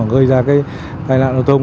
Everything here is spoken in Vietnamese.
gây ra tai nạn giao thông